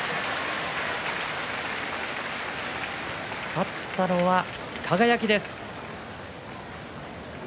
勝ったのは輝です。